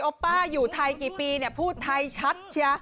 อ๊อปป้าอยู่ไทยกี่ปีพูดไทยชัด